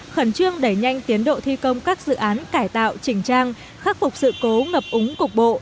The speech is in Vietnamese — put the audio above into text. khẩn trương đẩy nhanh tiến độ thi công các dự án cải tạo chỉnh trang khắc phục sự cố ngập úng cục bộ